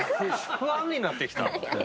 不安になってきた。